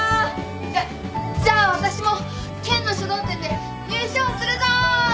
じゃじゃあ私も県の書道展で入賞するぞー！